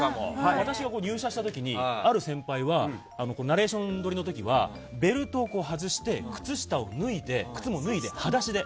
私は入社した時に、ある先輩はナレーション録りの時はベルトを外して靴下を脱いで、靴も脱いではだしで。